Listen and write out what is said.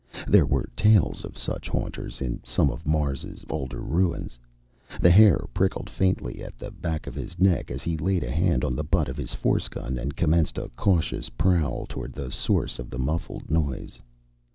There were tales of such haunters in some of Mars' older ruins. The hair prickled faintly at the back of his neck as he laid a hand on the butt of his force gun and commenced a cautious prowl toward the source of the muffled noise.